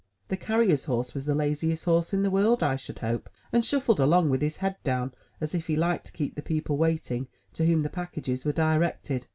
The carrier's horse was the laziest horse in the world, I should hope, and shuffled along with his head down, as if he liked to keep the people waiting to whom the packages were directed.